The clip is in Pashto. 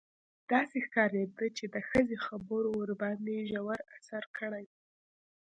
داسې ښکارېده چې د ښځې خبرو ورباندې ژور اثر کړی.